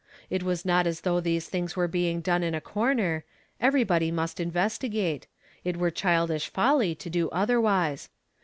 It was not as though these things were being done in a corner. Everybody must investigate; it were childish folly to do o '<prwise.